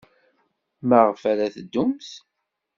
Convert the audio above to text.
Maɣef ara teddumt?